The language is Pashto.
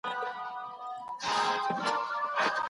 مشران د جګړې د ختمولو لپاره هڅي کوي.